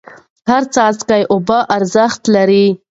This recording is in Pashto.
هر څاڅکی اوبه ارزښت لري.